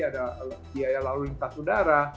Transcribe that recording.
ada biaya lalu lintas udara